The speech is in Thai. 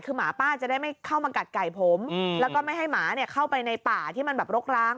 คือหมาป้าจะได้ไม่เข้ามากัดไก่ผมแล้วก็ไม่ให้หมาเนี่ยเข้าไปในป่าที่มันแบบรกร้าง